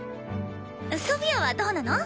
ソフィアはどうなの？